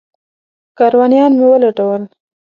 کاروانیان مې ولټول.